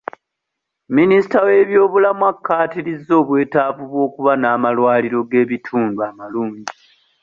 Minisita w'ebyobulamu akkaatirizza obwetaavu bw'okuba n'amalwaliro g'ebitundu amalungi.